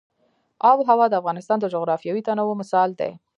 آب وهوا د افغانستان د جغرافیوي تنوع مثال دی.